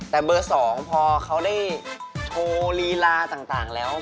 แต่เบอร์๒พอเขาได้โชว์ลีลาต่างแล้ว